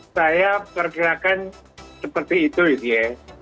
saya percayakan seperti itu yudhiyah